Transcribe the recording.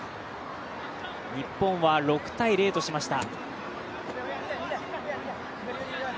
日本は、６−０としました。